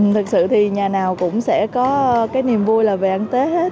thực sự thì nhà nào cũng sẽ có cái niềm vui là về ăn tết hết